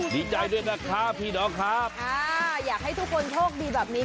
ดีใจด้วยนะครับพี่น้องครับอ่าอยากให้ทุกคนโชคดีแบบนี้